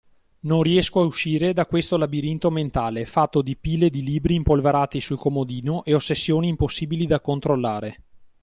Non riesco a uscire da questo labirinto mentale, fatto di pile di libri impolverati sul comodino e ossessioni impossibili da controllare.